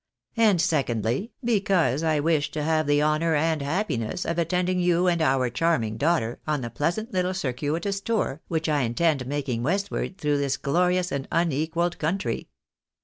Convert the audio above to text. And secondly, because I wished to have the honour and happiness of attending you and our charming daughter on the pleasant little 284 circuitous tour, which I intend making westward through this glo rious and unequalled country."